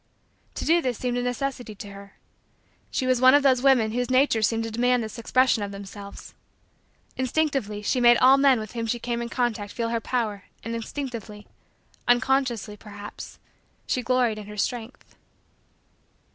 To do this seemed a necessity to her. She was one of those women whose natures seem to demand this expression of themselves. Instinctively, she made all men with whom she came in contact feel her power and, instinctively unconsciously, perhaps she gloried in her strength.